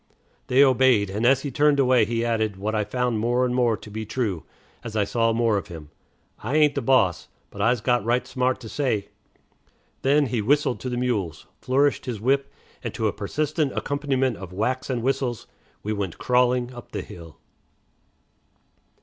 They obeyed, and as he turned away he added, what I found more and more to be true, as I saw more of him, "I ain't de boss, but I's got right smart to say." Then, he whistled to the mules, flourished his whip, and to a persistent accompaniment of whacks and whistles we went crawling up the hill.